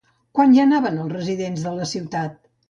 Quan hi anaven els residents de la ciutat?